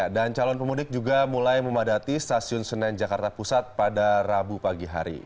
dan calon pemudik juga mulai memadati stasiun senen jakarta pusat pada rabu pagi hari